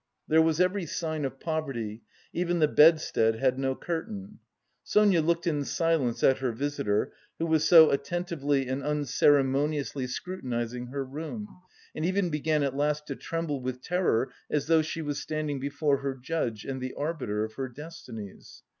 There was every sign of poverty; even the bedstead had no curtain. Sonia looked in silence at her visitor, who was so attentively and unceremoniously scrutinising her room, and even began at last to tremble with terror, as though she was standing before her judge and the arbiter of her destinies.